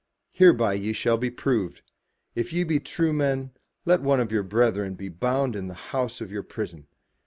Hereby ye shall be proved. If ye be true men, let one of your brethren be bound in the house of your prison.